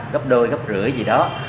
góc đôi góc rưỡi gì đó